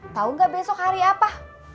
tahu nggak besok hari apa